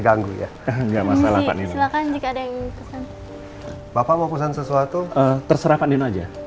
dulu ya enggak masalah pak nino silahkan jika ada yang pesan bapak mau pesan sesuatu terserah pak nino aja